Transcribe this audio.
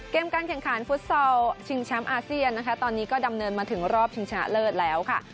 การแข่งขันฟุตซอลชิงแชมป์อาเซียนนะคะตอนนี้ก็ดำเนินมาถึงรอบชิงชนะเลิศแล้วค่ะ